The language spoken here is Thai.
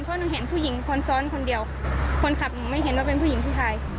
เพราะหนูเห็นผู้หญิงคนซ้อนคนเดียวคนขับหนูไม่เห็นว่าเป็นผู้หญิงผู้ชาย